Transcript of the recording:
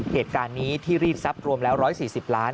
เหตุการณ์นี้ที่รีดทรัพย์รวมแล้ว๑๔๐ล้าน